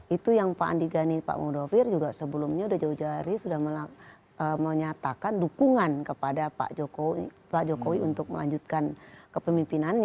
itu yang pak andi gani pak mudofir juga sebelumnya sudah jauh jauh hari sudah menyatakan dukungan kepada pak jokowi untuk melanjutkan kepemimpinannya